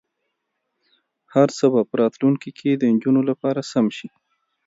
هر څه به په راتلونکي کې د نجونو لپاره سم شي.